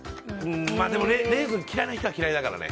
でも、レーズン嫌いな人は嫌いだからね。